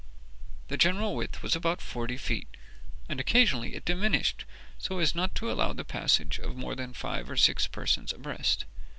The general width was about forty feet, and occasionally it diminished so as not to allow the passage of more than five or six persons abreast.